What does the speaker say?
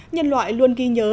nhân loại luôn ghi nhớ